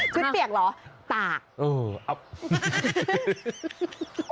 ชุดเปียกเหรอตาก